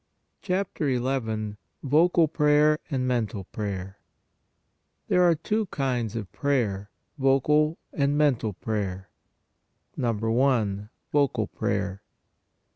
CHAPTER XL VOCAL PRAYER AND MENTAL PRAYER THERE ARE TWO KINDS OF PRAYER, VOCAL AND MENTAL PRAYER I. VOCAL PRAYER.